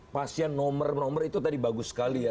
pasien nomor nomor itu tadi bagus sekali ya